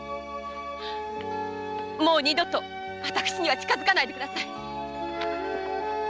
もう二度と私には近づかないでください！